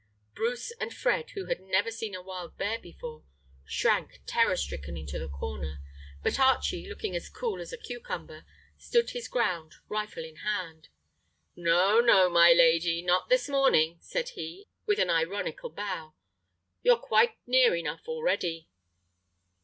Bruce and Fred, who had never seen a wild bear before, shrank terror stricken into the corner, but Archie, looking as cool as a cucumber, stood his ground, rifle in hand. "No, no, my lady; not this morning," said he, with an ironical bow. "You're quite near enough already."